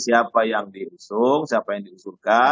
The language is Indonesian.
siapa yang diusung siapa yang diusulkan